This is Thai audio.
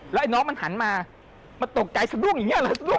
แล้วไอ้น้องมันหันมามันตกใจสะดวกอย่างเนี่ย